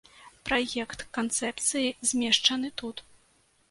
Праект канцэпцыі змешчаны тут.